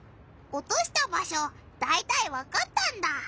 おとした場しょだいたいわかったんだ。